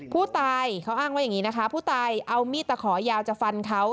ผู้ตายเขาอ้างว่าอย่างนี้นะคะผู้ตายเอามีดตะขอยาวจะฟันเขา